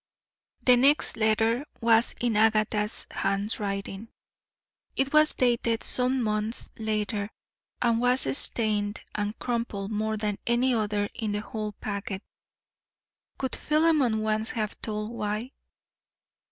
The next letter was in Agatha's handwriting. It was dated some months later and was stained and crumpled more than any other in the whole packet. Could Philemon once have told why?